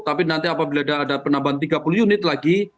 tapi nanti apabila ada penambahan tiga puluh unit lagi